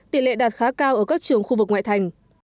tỷ lệ đạt khá cao ở các trường khu vực ngoại thành